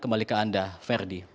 kembali ke anda verdi